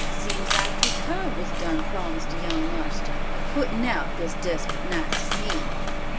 Seems like 'twas her was done promised to young marster, a puttin' out this desput night to see him."